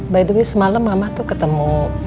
by the way semalam mama tuh ketemu